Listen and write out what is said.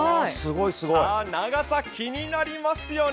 長さ、気になりますよね。